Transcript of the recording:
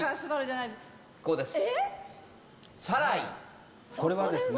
こうです。